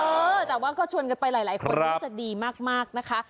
เออแต่ว่าก็ชวนกันไปหลายคนน่าจะดีมากนะคะ